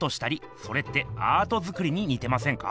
それってアート作りににてませんか？